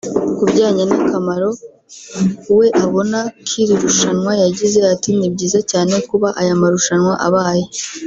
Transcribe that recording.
Ku bijyanye n’akamaro we abona k’iri rushanwa yagize ati” Ni byiza cyane kuba aya marushanwa abaye